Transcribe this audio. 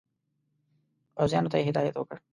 پوځیانو ته یې هدایت ورکړ.